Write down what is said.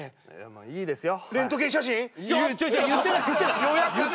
まあいいですよ。